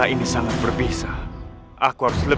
aku ingin menyembuhkan lenganku terlebih dahulu